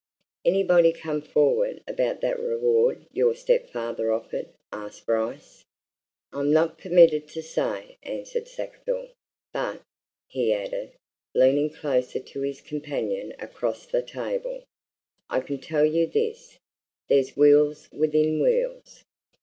"Anybody come forward about that reward your stepfather offered?" asked Bryce. "I'm not permitted to say," answered Sackville. "But," he added, leaning closer to his companion across the table, "I can tell you this there's wheels within wheels!